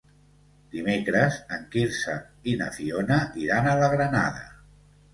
Dimecres en Quirze i na Fiona iran a la Granada.